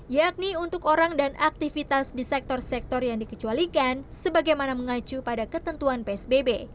yakni untuk orang dan aktivitas di sektor sektor yang dikecualikan sebagaimana mengacu pada ketentuan psbb